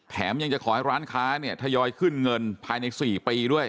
แถมยังจะขอให้ร้านค้าเนี่ยทยอยขึ้นเงินภายใน๔ปีด้วย